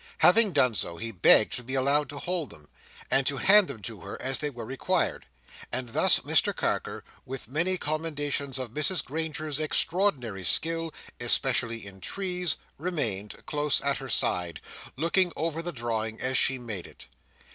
Having done so, he begged to be allowed to hold them, and to hand them to her as they were required; and thus Mr Carker, with many commendations of Mrs Granger's extraordinary skill—especially in trees—remained—close at her side, looking over the drawing as she made it.